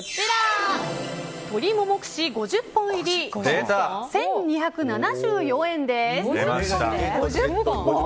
鶏もも串５０本入り１２７４円です。